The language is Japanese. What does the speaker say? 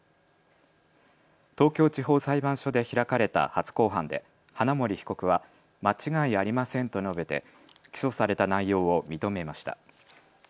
東京地方裁判所で開かれた初公判で花森被告は間違いありませんと述べて起訴された内容を認めました。